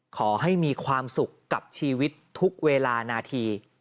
ขอให้มีความสุขกับชีวิตทุกเวลานาที